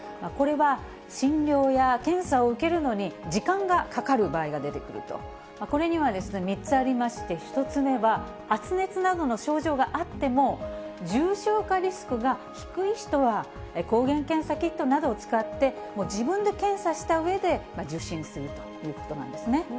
これは診療や検査を受けるのに時間がかかる場合が出てくると、これには３つありまして、１つ目は、発熱などの症状があっても、重症化リスクが低い人は、抗原検査キットなどを使って、自分で検査したうえで、受診するということなんですね。